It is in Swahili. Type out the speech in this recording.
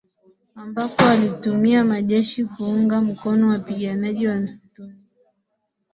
ambako alituma majeshi kuunga mkono wapiganaji wa msituni